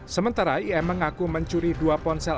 sementara im mengaku mencuri dua ponsel